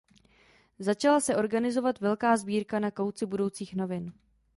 Začala se organizovat velká sbírka na kauci budoucích novin.